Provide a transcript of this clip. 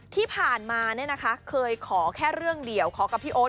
ที่ผ่านมาเคยขอแค่เรื่องเดียวขอกับพี่โอ๊ต